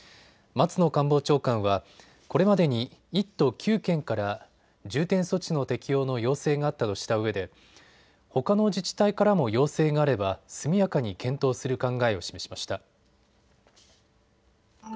松野官房長官はこれまでに１都９県から重点措置の適用の要請があったとしたうえでほかの自治体からも要請があれば速やかに検討する考えを示しました。